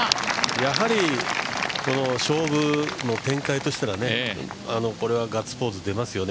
やはり勝負の展開としてはこれはガッツポーズ出ますよね。